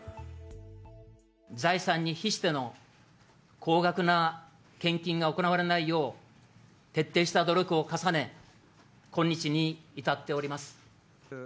財産に比しての高額な献金が行われないよう、徹底した努力を重ね、今日に至っております。